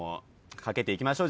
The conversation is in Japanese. かけていきましょう。